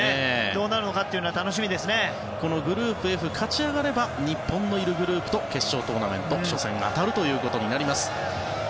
どうなるのかっていうのはグループＦ勝ち上がれば日本のいるグループと決勝トーナメント初戦で当たるということになります。